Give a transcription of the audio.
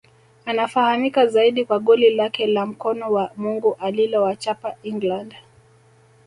Anafahamika zaidi kwa goli lake la mkono wa Mungu alilowachapa England